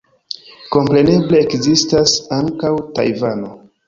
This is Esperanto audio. Kompreneble, ekzistas ankaŭ Tajvano.